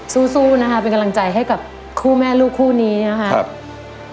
สู้นะคะเป็นกำลังใจให้กับคู่แม่ลูกคู่นี้นะครับ